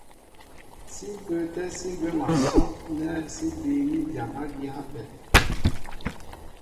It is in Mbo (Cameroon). Sí pə́ə́tɛ́ sí gwɛ̌m a sɔ́' nɛ́ sí bííní dyam ági á hápɛ.